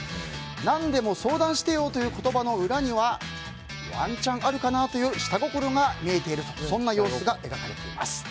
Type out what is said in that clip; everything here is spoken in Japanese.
何でも相談してよという言葉の裏にはワンチャンあるかな？という下心が見えているというそんな様子が描かれています。